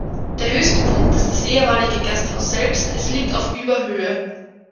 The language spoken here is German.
Der höchste Punkt ist das ehemalige Gasthaus selbst, es liegt auf über Höhe.